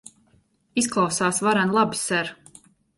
Izklausās varen labi, ser.